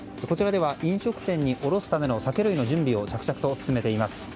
こちらでは飲食店に卸すための酒類の準備を着々と進めています。